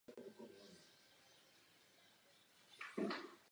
Všichni také skládali přísahy věrnosti národu.